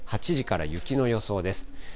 ８時から雪の予想です。